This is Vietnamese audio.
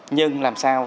nhưng làm sao